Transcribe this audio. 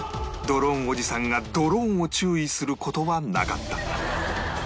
ドローンおじさんがドローンを注意する事はなかった